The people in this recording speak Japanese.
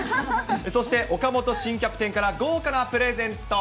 そして岡本新キャプテンから豪華なプレゼント。